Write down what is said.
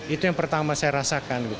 itu yang pertama saya rasakan